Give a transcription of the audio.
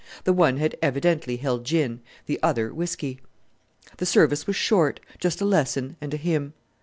The one had evidently held gin, the other whisky. The service was short, just a lesson and a hymn.